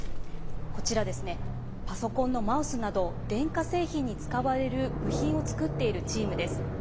こちら、パソコンのマウスなど電化製品に使われる部品を作っているチームです。